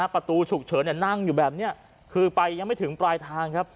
ประตูฉุกเฉินนั่งอยู่แบบนี้คือไปยังไม่ถึงปลายทางครับ